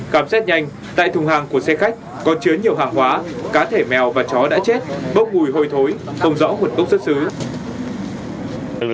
cảm xét nhanh tại thùng hàng của xe khách có chứa nhiều hàng hóa cá thể mèo và chó đã chết bốc ngùi hồi thối không rõ huyệt bốc xuất xứ